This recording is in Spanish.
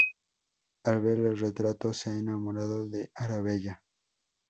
Al ver el retrato, se ha enamorado de Arabella.